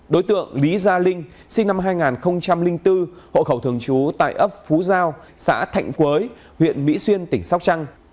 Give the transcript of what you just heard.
đối tượng lý gia linh sinh năm hai nghìn bốn hộ khẩu thường trú tại ấp phú giao xã thạnh quới huyện mỹ xuyên tỉnh sóc trăng